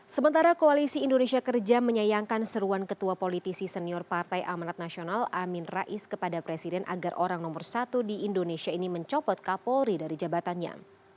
sementara koalisi indonesia kerja menyayangkan seruan ketua politisi senior partai amanat nasional amin rais kepada presiden agar orang nomor satu di indonesia ini mencopot kapolri dari jabatannya